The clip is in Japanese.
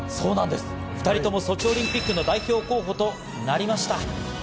２人ともソチオリンピックの代表候補となりました。